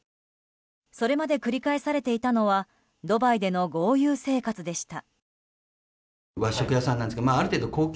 それまで繰り返されていたのはドバイでの豪遊生活でした。